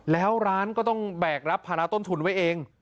แล้วร้านก็ต้องแบกรับภาระต้นทุนไว้เอง